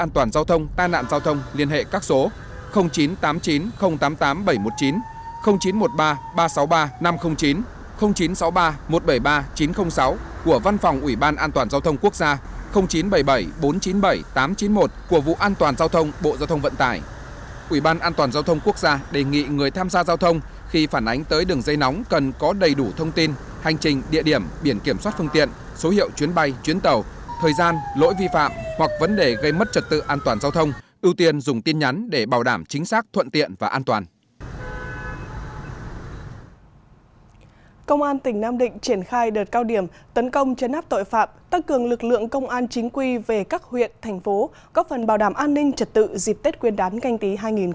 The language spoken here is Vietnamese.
tấn công chấn áp tội phạm tăng cường lực lượng công an chính quy về các huyện thành phố góp phần bảo đảm an ninh trật tự dịp tết nguyên đán canh tí hai nghìn hai mươi